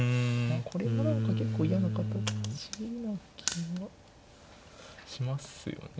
これが何か結構嫌な形な気がしますよね。